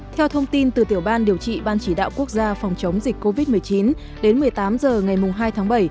theo thông tin từ tiểu ban điều trị ban chỉ đạo quốc gia phòng chống dịch covid một mươi chín đến một mươi tám h ngày hai tháng bảy